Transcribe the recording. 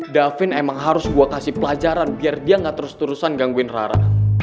davin emang harus gue kasih pelajaran biar dia nggak terus terusan gangguin rara